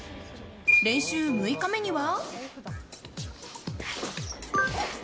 練習６日目には。